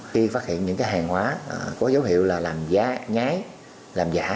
khi phát hiện những hàng hóa có dấu hiệu là làm giá nhái làm giả